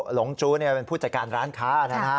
หลงจู้เป็นผู้จัดการร้านค้านะฮะ